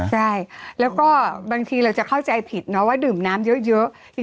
ใช่แล้วก็บางทีเราจะเข้าใจผิดนะว่าดื่มน้ำเยอะ